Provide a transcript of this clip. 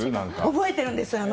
覚えてるんです。